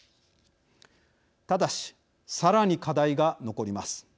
ただし、さらに課題が残ります。